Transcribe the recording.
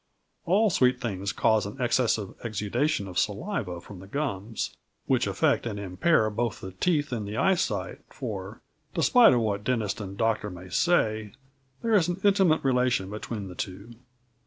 All sweet things cause an excessive exudation of saliva from the gums, which affect and impair both the teeth and the eyesight for, despite of what dentist and doctor may say, there is an intimate relation between the two.